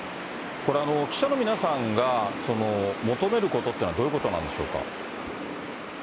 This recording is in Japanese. これ、記者の皆さんが求めることっていうのはどういうことなんでしょう